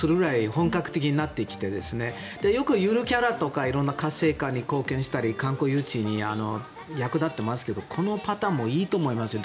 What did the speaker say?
本格的になってきてよくゆるキャラとか色んな活性化に貢献したり観光誘致に役立っていますけどこのパターンもいいと思いますよ。